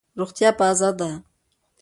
روغتیا پازه ده.